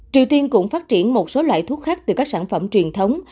triều tiên cũng phát triển một số loại thuốc khác từ các sản phẩm truyền thống